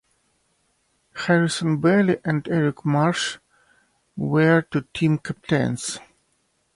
Harrison Bailey and Erik Marsh were the team captains.